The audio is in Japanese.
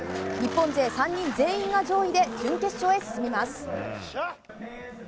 日本勢３人全員が上位で準決勝へ進みます。